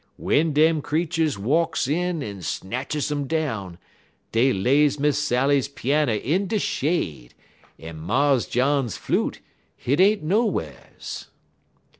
W'en dem creeturs walks in en snatches um down, dey lays Miss Sally's pianner in de shade, en Mars John's flute, hit ain't nowhars."